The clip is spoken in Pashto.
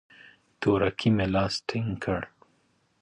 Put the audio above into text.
تورکي مې لاس ټينگ کړ.